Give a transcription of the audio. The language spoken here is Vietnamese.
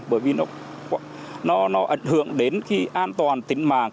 bởi vì nó ảnh hưởng đến cái an toàn tính mạng